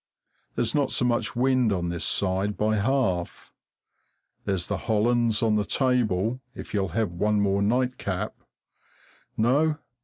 There's not so much wind on this side by half. There's the Hollands on the table, if you'll have one more nightcap. No?